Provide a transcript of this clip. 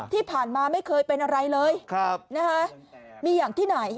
ที่ผ่านมาไม่เคยเป็นอะไรเลยมีอย่างที่ไหน